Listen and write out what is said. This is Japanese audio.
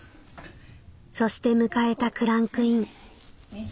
「そして迎えたクランクイン。